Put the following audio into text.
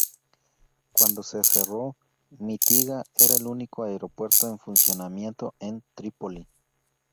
Cuando se cerró, Mitiga era el único aeropuerto en funcionamiento en Trípoli.